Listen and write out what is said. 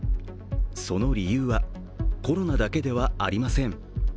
その理由はコロナだけではありません。